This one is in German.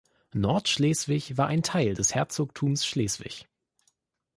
Nordschleswig war ein Teil des Herzogtums Schleswig.